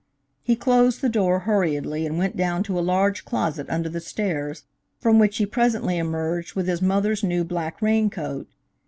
He closed the door hurriedly and went down to a large closet under the stairs, from which he presently emerged with his mother's new black rain coat.